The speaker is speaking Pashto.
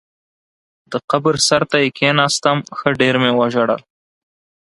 د قبر سر ته یې کېناستم، ښه ډېر مې وژړل.